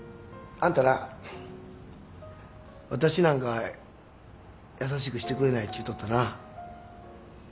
あんたなわたしなんかに優しくしてくれないちゅうとったな。